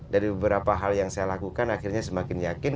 dari beberapa hal yang saya lakukan akhirnya semakin yakin